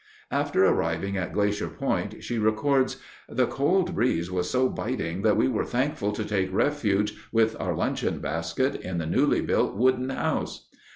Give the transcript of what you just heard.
After arriving at Glacier Point, she records: "The cold breeze was so biting that we were thankful to take refuge, with our luncheon basket, in the newly built wooden house."